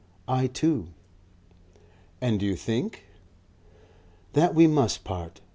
"I too." "And you think ?" "That we must part.